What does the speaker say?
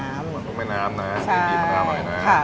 มันกุ้งแม่น้ำนะอีกปี๊บอร่อยนะใช่ค่ะ